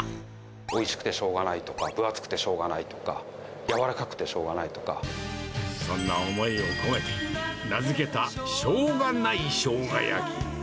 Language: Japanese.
おいしくてしょうがないとか、分厚くてしょうがないとか、そんな思いを込め、名付けたしょうがないしょうが焼き。